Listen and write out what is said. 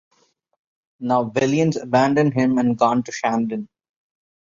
Now, Belion's abandoned him and gone to Shandon.